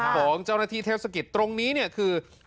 ของเจ้าหน้าที่เทศกิจตรงนี้เนี่ยคือ